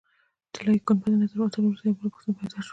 طلایي ګنبدې نه تر وتلو وروسته یوه بله پوښتنه پیدا شوه.